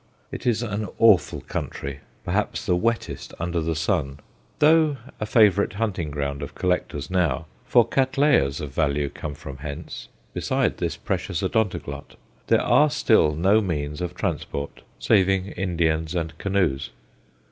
It is an awful country perhaps the wettest under the sun. Though a favourite hunting ground of collectors now for Cattleyas of value come from hence, besides this precious Odontoglot there are still no means of transport, saving Indians and canoes.